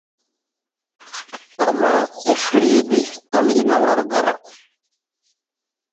Amma e firyiɗi ali na war gara.